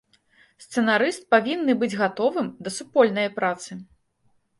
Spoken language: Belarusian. Сцэнарыст павінны быць гатовым да супольнае працы.